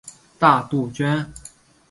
大杜鹃。